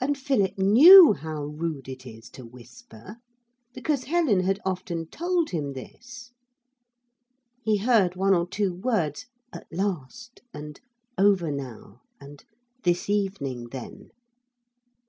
And Philip knew how rude it is to whisper, because Helen had often told him this. He heard one or two words, 'at last,' and 'over now,' and 'this evening, then.'